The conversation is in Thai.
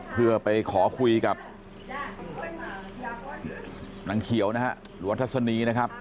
เพื่อไปขอคุยกับนางเขียวนะฮะลวทสนีย์นะครับ